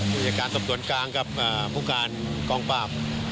ผู้จักรสมส่วนกลางกับผู้การกองป้า